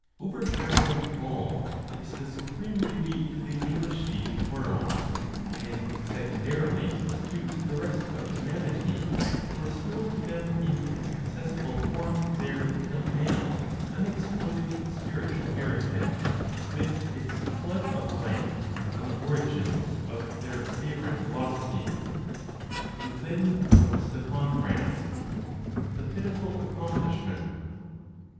Overshadowing all is the supreme duty to the English speaking world, and secondarily to the rest of humanity to restore to them in an accessible form their, till now, unexploited spiritual heritage, with its flood of light on the origins of their favorite philosophy. And then comes the contrast the pitiful accomplishment.